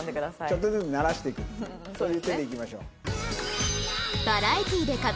ちょっとずつ慣らしていくそういう手でいきましょう。